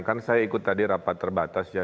kan saya ikut tadi rapat terbatas ya